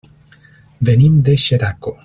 Venim de Xeraco.